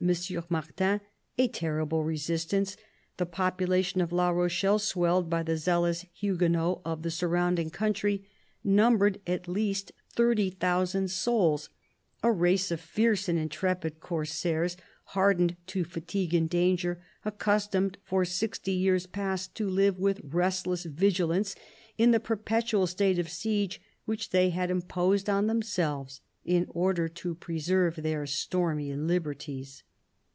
Martin, " a terrible resistance. The population of La Rochelle, swelled by the zealous Huguenots of the surrounding country, numbered at least thirty thousand souls — a race of fierce and intrepid corsairs, hardened to fatigue and danger, accustomed, for sixty years past, to live with restless vigilance in the perpetual state of siege which they had imposed on themselves in order to preserve their stormy liberties."